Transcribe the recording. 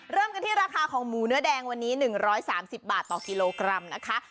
เริ่มกันที่ราคาของหมูเนื้อแดงวันนี้๑๓๐บาทต่อกิโลกรัมนะคะ